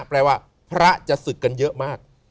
แปลว่าพระจะศึกกันเยอะมาก